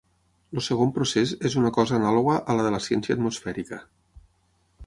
El segon procés és una cosa anàloga a la de la ciència atmosfèrica.